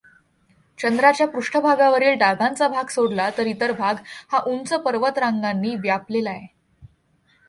चंद्राच्या पृष्ठभागावरील डागांचा भाग सोडला तर इतर भाग हा उंच पर्वतरांगानी व्यापलेला आहे.